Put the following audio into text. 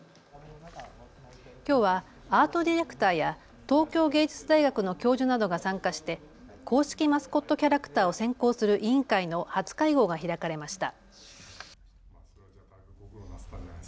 きょうはアートディレクターや東京芸術大学の教授などが参加して公式マスコットキャラクターを選考する委員会の初会合が開かれました。